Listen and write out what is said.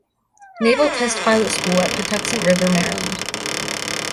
Naval Test Pilot School at Patuxent River, Maryland.